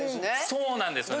そうなんです。